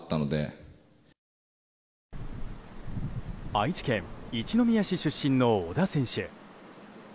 愛知県一宮市出身の小田選手。